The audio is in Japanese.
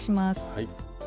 はい。